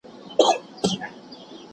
جرګه بې مشرانو نه کېږي.